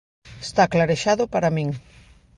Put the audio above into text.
Está clarexado para min.